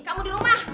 kamu di rumah